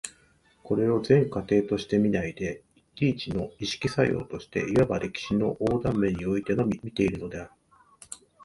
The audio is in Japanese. これを全過程として見ないで、一々の意識作用として、いわば歴史の横断面においてのみ見ているのである。